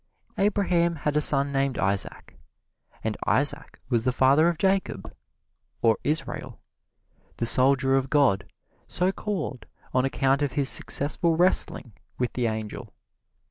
Abraham had a son named Isaac. And Isaac was the father of Jacob, or Israel, "the Soldier of God," so called on account of his successful wrestling with the angel.